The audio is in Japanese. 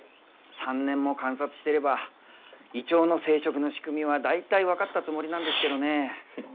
３年も観察してればイチョウの生殖の仕組みは大体分かったつもりなんですけどね。